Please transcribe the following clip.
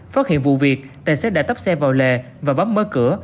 phát hiện vụ việc tài xế đã tấp xe vào lề và bấm mở cửa